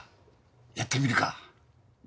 やってみるか。